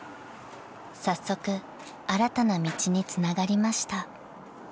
［早速新たな道につながりました］